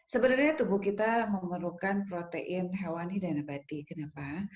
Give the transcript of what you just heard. sebenarnya tubuh kita memerlukan protein hewani dan nabati kenapa